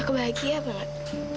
aku bahagia banget